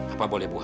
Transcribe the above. apa boleh buat